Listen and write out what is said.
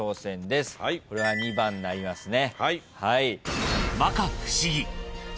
これは２番になりますね。